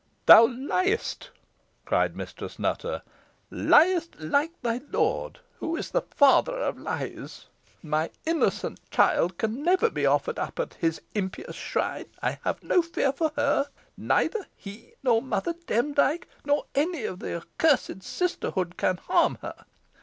"Thou liest!" cried Mistress Nutter "liest like thy lord, who is the father of lies. My innocent child can never be offered up at his impious shrine. I have no fear for her. Neither he, nor Mother Demdike, nor any of the accursed sisterhood, can harm her.